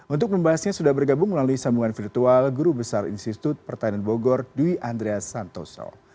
untuk membahasnya sudah bergabung melalui sambungan virtual guru besar institut pertanian bogor dwi andreas santoso